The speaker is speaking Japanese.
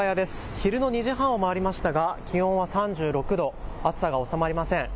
昼の２時半を回りましたが気温は３６度、暑さが収まりません。